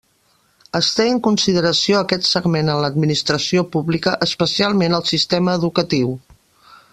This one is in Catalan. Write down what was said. Es té en consideració aquest segment en l'administració pública, especialment al sistema educatiu.